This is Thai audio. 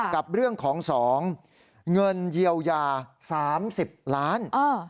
กับเรื่องของ๒เงินเยียวยา๓๐ล้าน